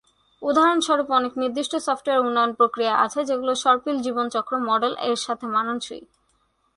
উদাহরণস্বরূপ, অনেক নির্দিষ্ট সফটওয়্যার উন্নয়ন প্রক্রিয়া আছে যেগুলো সর্পিল জীবনচক্র "মডেল"-এর সাথে মানানসই।